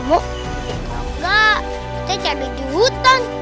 kalau enggak kita cari di hutan